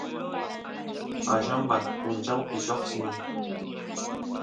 qallamba punchawpi lloqsin